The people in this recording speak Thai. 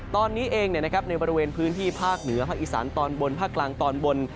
ตอนนี้เองในบริเวณพื้นที่ภาคเหนือภาคอีสานตอนบนภาคกลางตอนบน